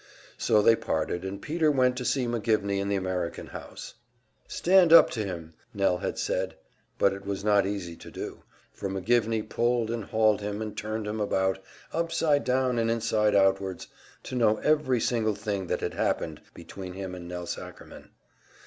So they parted, and Peter went to see McGivney in the American House. "Stand up to him!" Nell had said. But it was not easy to do, for McGivney pulled and hauled him and turned him about, upside down and inside outwards, to know every single thing that had happened between him and Nelse Ackerman.